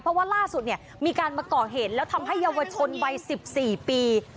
เพราะว่าล่าสุดเนี่ยมีการมาก่อเหตุแล้วทำให้เยาวชนวัย๑๔ปี